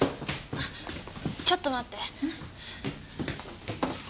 ちょっと待って。